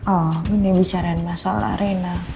oh ini bicara masalah reina